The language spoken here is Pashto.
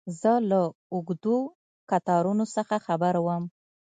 زه له اوږدو کتارونو څه خبر وم.